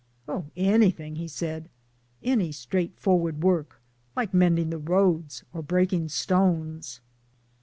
'* Oh, anything/ he said, * any straightforward work like mending the road's 1 or breaking stones.'